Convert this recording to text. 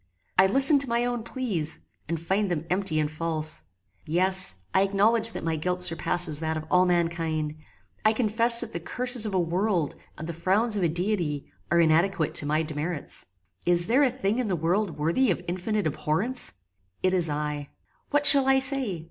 I listen to my own pleas, and find them empty and false: yes, I acknowledge that my guilt surpasses that of all mankind: I confess that the curses of a world, and the frowns of a deity, are inadequate to my demerits. Is there a thing in the world worthy of infinite abhorrence? It is I. What shall I say!